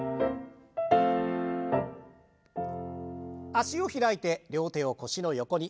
脚を開いて両手を腰の横に。